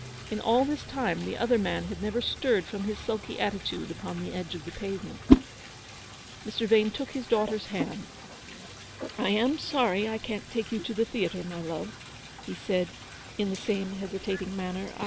In all this time the other man had never stirred from his sulky attitude upon the edge of the pavement. Mr. Vane took his daughter's hand. " I am sorry I can't take you to the theatre, my love," he said, in the same hesitating manner.